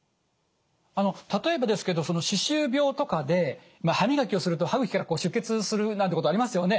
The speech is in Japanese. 例えばですけど歯周病とかで歯磨きをすると歯茎から出血するなんてことありますよね？